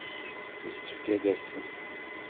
Yessefk ad d-asen.